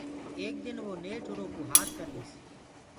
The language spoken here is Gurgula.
ايڪ دن وو نيٺ اُرو ڪوُ هآت ڪرليس۔